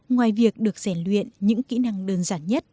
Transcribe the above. ngoài việc được rèn luyện những kỹ năng đơn giản nhất